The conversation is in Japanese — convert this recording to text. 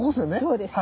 そうです。